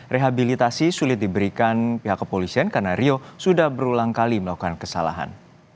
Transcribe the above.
rehabilitasi sulit diberikan pihak kepolisian karena rio sudah berulang kali melakukan kesalahan